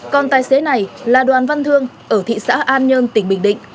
còn tài xế này là đoàn văn thương ở thị xã an nhơn tỉnh bình định